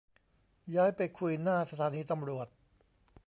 ย้ายไปคุยหน้าสถานีตำรวจ